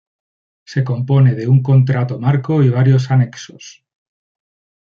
Se compone de un contrato marco y varios anexos.